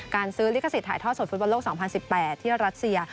ซื้อลิขสิทธิถ่ายทอดสดฟุตบอลโลก๒๐๑๘ที่รัสเซีย